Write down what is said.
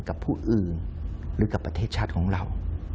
กับผู้อื่นหรือกับประเทศชาติของเรา